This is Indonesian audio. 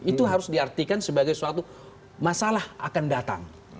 itu harus diartikan sebagai suatu masalah akan datang